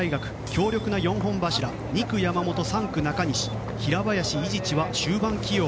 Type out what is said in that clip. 強力な４本柱２区、山本、３区、中西平林、伊地知は終盤起用。